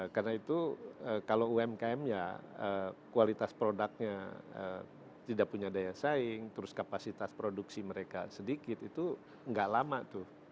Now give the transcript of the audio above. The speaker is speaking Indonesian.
karena itu kalau umkmnya kualitas produknya tidak punya daya saing terus kapasitas produksi mereka sedikit itu gak lama tuh